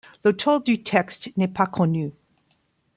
L'auteur du texte n'est pas connu.